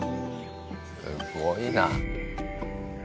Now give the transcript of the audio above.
すごいな！